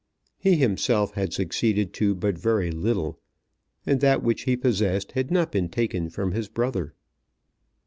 He himself had succeeded to but very little, and that which he possessed had not been taken from his brother.